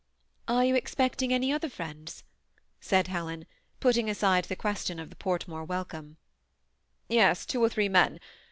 '^ Are you expecting any other friends ?" said Helen, putting aside the question of the Portmore welcome. ' Yes, two or three men.